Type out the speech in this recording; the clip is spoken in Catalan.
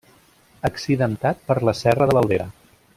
Accidentat per la serra de l'Albera.